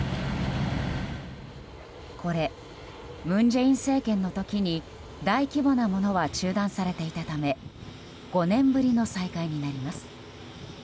これ、文在寅政権の時に大規模なものは中断されていたため５年ぶりの再開になります。